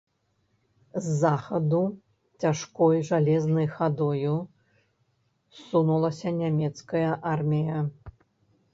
З захаду цяжкой жалезнай хадою сунулася нямецкая армія.